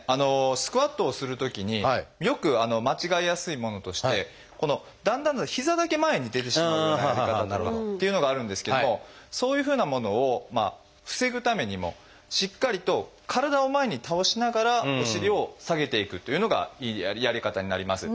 スクワットをするときによく間違えやすいものとしてだんだん膝だけ前に出てしまうようなやり方になるっていうのがあるんですけれどもそういうふうなものを防ぐためにもしっかりと体を前に倒しながらお尻を下げていくというのがいいやり方になります。